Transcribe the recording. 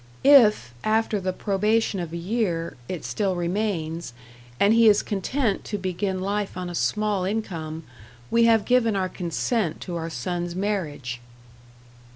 If, after the probation of a year, it still remains, and he is content to begin life on a small income, we have given our consent to our son's marriage."